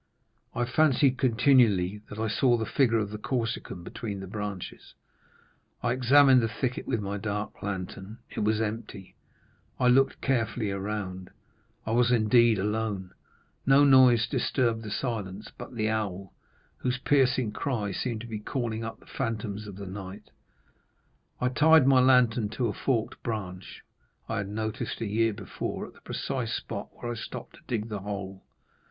I fancied continually that I saw the figure of the Corsican between the branches. I examined the thicket with my dark lantern; it was empty. I looked carefully around; I was indeed alone,—no noise disturbed the silence but the owl, whose piercing cry seemed to be calling up the phantoms of the night. I tied my lantern to a forked branch I had noticed a year before at the precise spot where I stopped to dig the hole.